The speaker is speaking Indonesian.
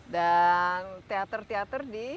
dan teater teater di